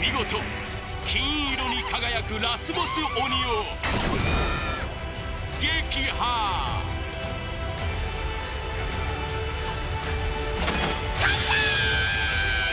見事金色に輝くラスボス鬼を撃破勝ったー！